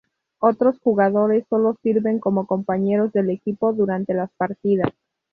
Otros jugadores sólo sirven como compañeros de equipo durante las partidas.